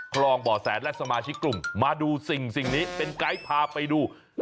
คลองบ่อแสนและสมาชิกกลุ่มมาดูสิ่งนี้เป็นไกด์พาไปดู